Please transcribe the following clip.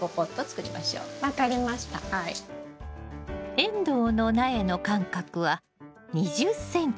エンドウの苗の間隔は２０ｃｍ。